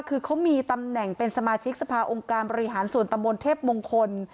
คือเขามีตำแหน่งเป็นสมาชิกสภาองค์การบริหารส่วนตำบลเทพมงคล